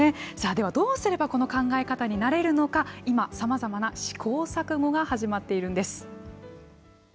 ではどうすればこの考え方になれるのか今、さまざまな試行錯誤が始まっているんです。